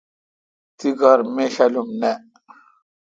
تی کار میشالم اؘ نہ۔